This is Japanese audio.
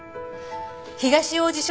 東王子署